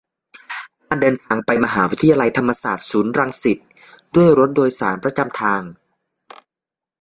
การเดินทางไปมหาวิทยาลัยธรรมศาสตร์ ศูนย์รังสิต ด้วยรถโดยสารประจำทาง